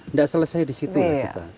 nggak selesai di situ lah kita